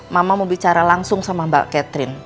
mama mau bicara langsung sama mbak catherine